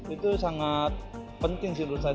itu sangat penting sih menurut saya